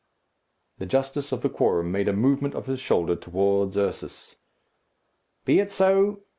The justice of the quorum made a movement of his shoulder towards Ursus. "Be it so.